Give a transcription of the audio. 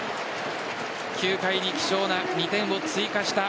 ９回に貴重な２点を追加した